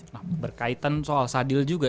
nah berkaitan soal sadil juga